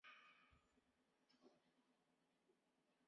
它通常结合催产素作为子宫收缩剂。